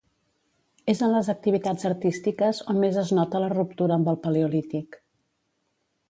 És en les activitats artístiques on més es nota la ruptura amb el paleolític.